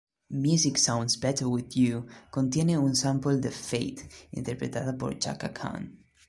Music Sounds Better With You contiene un sample de "Fate" interpretada por Chaka Khan.